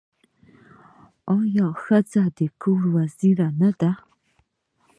آیا ښځه د کور وزیره نه ده؟